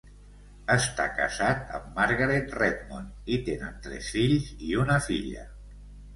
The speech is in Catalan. Està casat amb Margaret Redmond i tenen tres fills i una filla.